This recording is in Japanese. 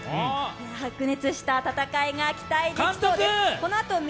白熱した戦いが期待できそうです。